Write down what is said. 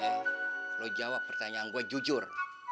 ya lo jawab pertanyaan gue jujur